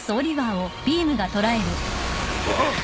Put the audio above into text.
あっ！？